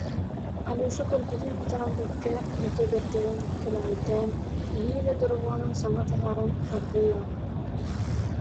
Алеша көрбүтүн итэҕэйбэккэ, бөтө бэрдэрэн, кэлэҕэйдээн, нэһиилэ дорҕоонун саҥа таһааран, аргыый аҕай: